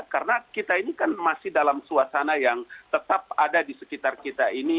karena kita ini kan masih dalam suasana yang tetap ada di sekitar kita ini